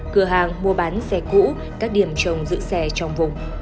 cửa hàng mua bán xe cũ các điểm trồng giữ xe trong vùng